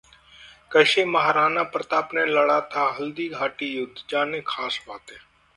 कैसे महाराणा प्रताप ने लड़ा था हल्दीघाटी युद्ध, जानें- खास बातें